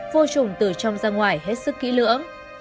vô trùng từ trong ra ngoài hết sức kỹ lưỡng